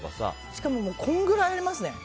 しかもこのぐらいありますね。